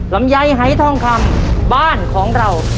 ลำไยหายทองคำบ้านของเรา